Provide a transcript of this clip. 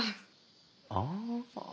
ああ。